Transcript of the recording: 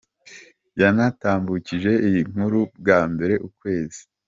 com yanatambukije iyi nkuru bwa mbere, Ukwezi.